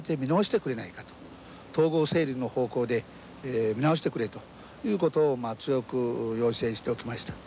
統合整理の方向で見直してくれということを強く要請しておきました。